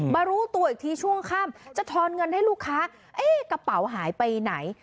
รู้ตัวอีกทีช่วงค่ำจะทอนเงินให้ลูกค้าเอ๊ะกระเป๋าหายไปไหน